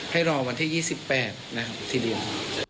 ให้รอวันที่๒๘นะครับทีเดียว